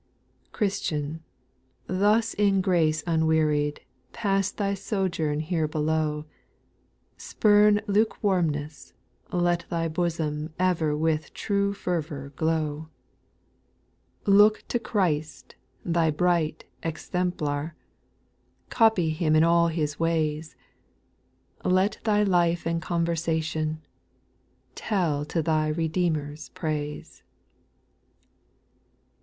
9. Christian, thus in grace unwearied, Pass thy sojourn here below. Spurn lukewarmness, let thy bosom Ever with true fervour gloT? \ 166 SPIRITUAL SONGS, Look to Christ, thy bright exemplar, Copy Him in all His ways, Let thy life and conversation, Tell to^ thy Redeemer's praise.